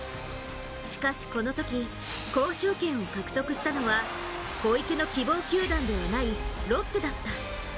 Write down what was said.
しかしこのとき、交渉権を獲得したのは小池の希望球団ではないロッテだった。